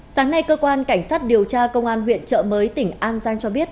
sáng nay cơ quan cảnh sát điều tra công an huyện trợ mới tỉnh an giang cho biết